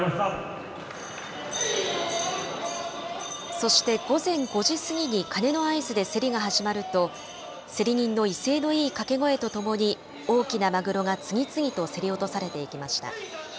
そして午前５時過ぎに鐘の合図で競りが始まると、競り人の威勢のいい掛け声とともに、大きなマグロが次々と競り落とされていきました。